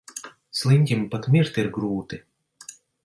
Sliņķim pat mirt ir grūti.